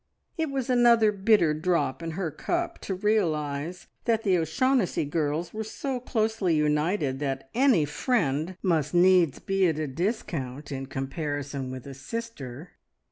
It was another bitter drop in her cup to realise that the O'Shaughnessy girls were so closely united that any friend must needs be at a discount in comparison with a sister.